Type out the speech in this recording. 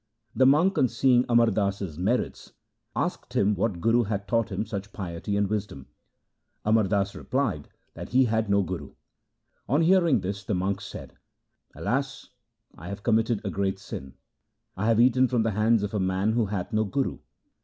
The monk on seeing Amar Das's merits asked him what guru had taught him such piety and wisdom. Amar Das replied that he had no guru. On hearing this the monk said, LIFE OF GURU ANGAD 31 ' Alas ! I have committed a great sin. I have eaten from the hands of a man who hath no guru.